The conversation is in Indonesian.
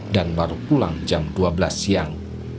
dan baru pulang jam dua belas siang